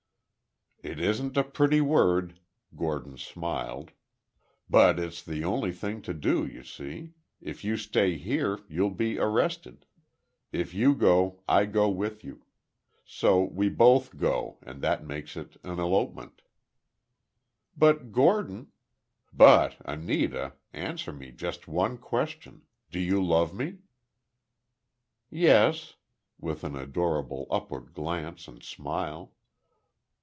"It isn't a pretty word," Gordon smiled, "but it's the only thing to do, you see. If you stay here, you'll be arrested. If you go, I go with you. So—we both go, and that makes it an elopement." "But, Gordon—" "But, Anita—answer me just one question—do you love me?" "Yes," with an adorable upward glance and smile.